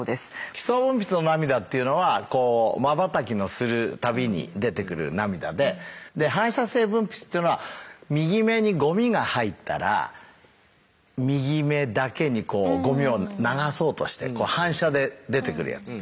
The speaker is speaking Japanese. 基礎分泌の涙っていうのはまばたきのする度に出てくる涙で反射性分泌というのは右目にゴミが入ったら右目だけにゴミを流そうとして反射で出てくるやつ。